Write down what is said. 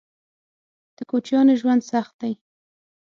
_د کوچيانو ژوند سخت دی.